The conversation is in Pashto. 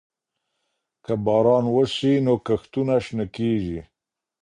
که باران وسي، نو کښتونه شنه کيږي.